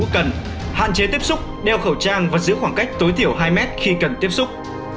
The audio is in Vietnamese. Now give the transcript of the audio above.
cần hạn chế tiếp xúc đeo khẩu trang và giữ khoảng cách tối thiểu hai mét khi cần tiếp xúc